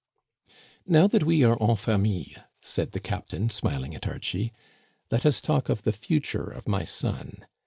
" Now that we are en famille^'' said the captain, smil ing at Archie, " let us talk of the future of my son.